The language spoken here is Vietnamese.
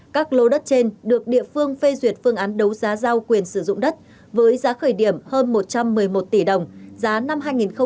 các lô đất trên được địa phương phê duyệt phương án đấu giá giao quyền sử dụng đất với giá khởi điểm hơn một trăm một mươi một tỷ đồng giá năm hai nghìn một mươi năm